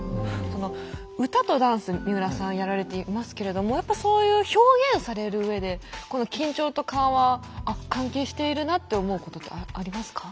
歌とダンス三浦さんやられていますけれどもやっぱそういう表現されるうえでこの緊張と緩和あっ関係しているなって思うことってありますか？